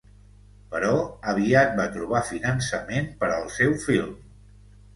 Però aviat va trobar finançament per al seu film.